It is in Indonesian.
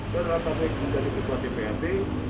berat taufik menjadi ketua dpp